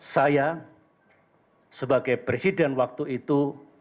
saya sebagai presiden waktu itu